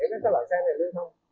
để các loại xe này lưu thông